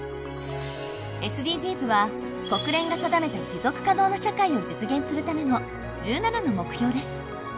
ＳＤＧｓは国連が定めた持続可能な社会を実現するための１７の目標です。